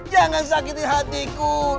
jangan sakiti hatiku